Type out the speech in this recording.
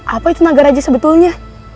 apa itu naga raja sebetulnya